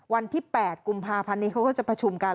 วันที่๘กุมภาพันธ์นี้เขาก็จะประชุมกัน